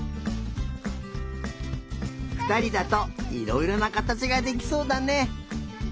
ふたりだといろいろなかたちができそうだね。